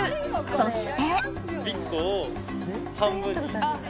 そして。